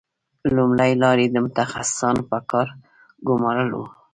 لومړۍ لار یې د متخصصانو په کار ګومارل وو